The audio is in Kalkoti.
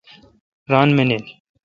ران منیل۔